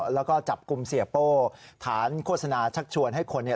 แล้วก็จับกลุ่มเสียโป้ฐานโฆษณาชักชวนให้คนเนี่ย